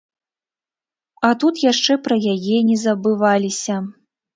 А тут яшчэ пра яе не забываліся.